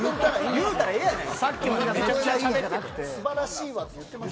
言うたらええやないか。